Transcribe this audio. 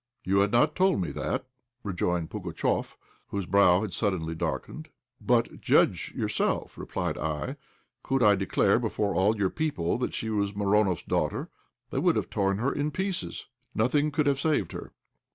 "You had not told me that," rejoined Pugatchéf, whose brow had suddenly darkened. "But judge yourself," replied I; "could I declare before all your people that she was Mironoff's daughter? They would have torn her in pieces, nothing could have saved her."